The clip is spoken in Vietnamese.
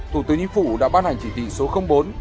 thủ tướng chính phủ đã bắt hành chỉ trị số bốn